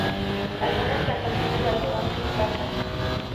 Algunas plantaciones de algodón, se implantan.